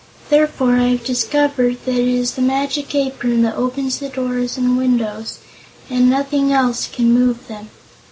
"Therefore I have discovered that it is the Magic Apron that opens the doors and windows, and nothing else can move them.